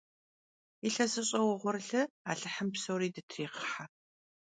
Yilhesış'e vuğurlı alıhım psori dıtıriğıhe!